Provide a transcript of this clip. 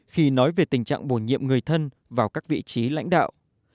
khi nói về tình trạng bổ nhiệm người thân vào các vị trí lãnh đạo